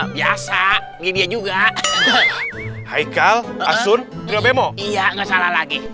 biasa dia juga hai hai kal asun triobemo iya